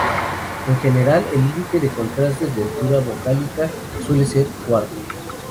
En general, el límite de contrastes de altura vocálica suele ser cuatro.